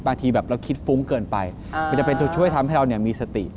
บางทีแบบเราคิดฟุ้งเกินไปมันจะเป็นตัวช่วยทำให้เรามีสติ